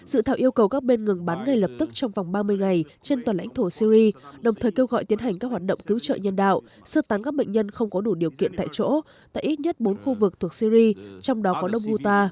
dự thảo yêu cầu các bên ngừng bắn ngay lập tức trong vòng ba mươi ngày trên toàn lãnh thổ syri đồng thời kêu gọi tiến hành các hoạt động cứu trợ nhân đạo sơ tán các bệnh nhân không có đủ điều kiện tại chỗ tại ít nhất bốn khu vực thuộc syri trong đó có đông guta